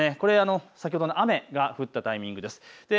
これ、先ほどの雨が降ったタイミングです。